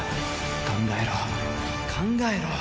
考えろ、考えろ。